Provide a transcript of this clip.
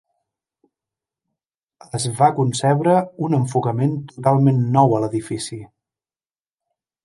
Es va concebre un enfocament totalment nou a l'edifici.